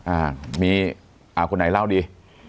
อ่ามีอ่าคนไหนเล่าดี